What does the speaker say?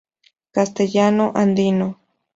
Castellano Andino.